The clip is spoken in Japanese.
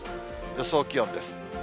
予想気温です。